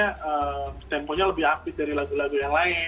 tentunya temponya lebih upbeat dari lagu lagu yang lain